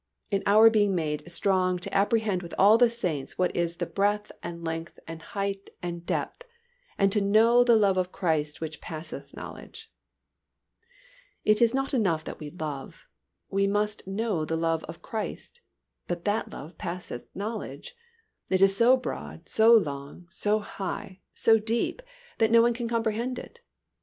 _In our being made strong to apprehend with all the saints what is the breadth and length and height and depth, and to know the love of Christ which passeth knowledge._ It is not enough that we love, we must know the love of Christ, but that love passeth knowledge. It is so broad, so long, so high, so deep, that no one can comprehend it.